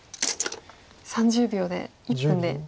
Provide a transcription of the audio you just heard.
３０秒で１分で。